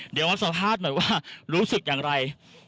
เดี๋ยวมาสัมภาษณ์หน่อยว่ารู้สึกอย่างไร